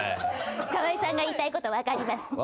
河井さんが言いたいこと分かります。